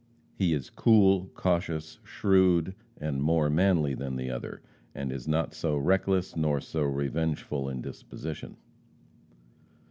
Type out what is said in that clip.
He is cool, cautious, shrewd, and more manly than the other, and is not so reckless nor so revengeful in disposition.